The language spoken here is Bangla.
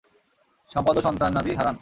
সম্পদ ও সন্তানাদি হারান।